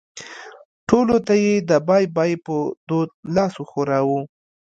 ټولو ته یې د بای بای په دود لاس وښوراوه.